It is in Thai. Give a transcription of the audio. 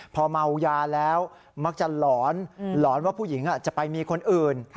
พอเมายาแล้วมักจะหลอนหลอนว่าผู้หญิงจะไปมีคนอื่น